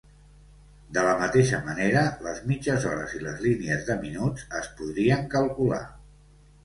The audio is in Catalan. De la mateixa manera, les mitges hores i les línies de minuts es podrien calcular.